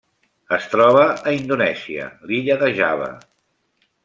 Es troba a Indonèsia: l'illa de Java.